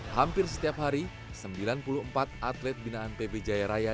hampir setiap hari sembilan puluh empat atlet binaan pb jaya raya